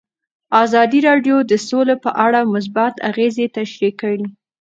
ازادي راډیو د سوله په اړه مثبت اغېزې تشریح کړي.